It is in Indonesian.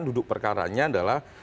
duduk perkaranya adalah